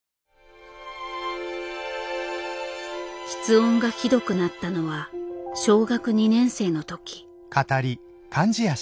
吃音がひどくなったのは小学２年生の時。